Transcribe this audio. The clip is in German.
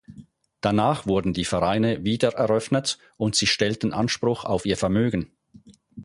Danach wurden die Vereine wiedereröffnet und sie stellten Anspruch auf ihr Vermögen.